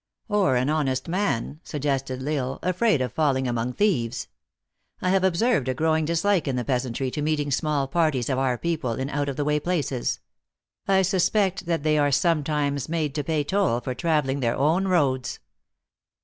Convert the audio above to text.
" Or an honest man," suggested L Isle, " afraid of falling among thieves. I have observed a growing dislike in the peasantry to meeting small parties of our people in out of the way places. I suspect that they are sometimes made to pay toll for traveling their own roads."